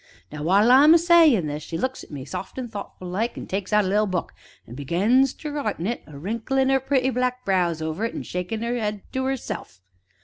Now, while I'm a sayin' this, she looks at me, soft an' thoughtful like, an' takes out a little book an' begins to write in it, a wrinklin' 'er pretty black brows over it an' a shakin' 'er 'ead to 'erself.